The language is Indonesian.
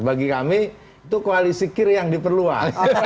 bagi kami itu koalisi kir yang diperluas